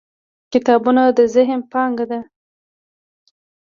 • کتابونه د ذهن پانګه ده.